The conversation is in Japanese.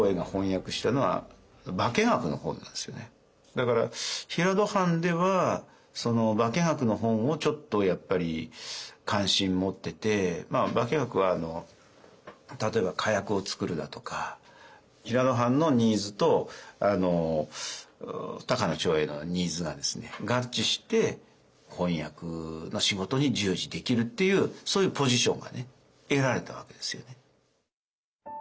だから平戸藩ではその化学の本をちょっとやっぱり関心持ってて化学は例えば火薬を作るだとか平戸藩のニーズと高野長英のニーズが合致して翻訳の仕事に従事できるっていうそういうポジションが得られたわけですよね。